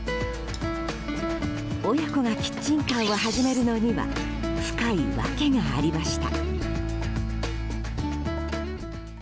親子がキッチンカーを始めるのには深い訳がありました。